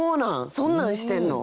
そんなんしてんの？